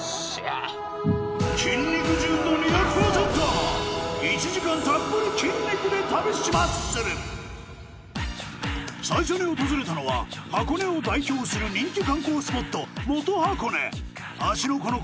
筋肉純度２００％１時間たっぷり筋肉で旅しマッスル最初に訪れたのは箱根を代表する人気観光スポット芦ノ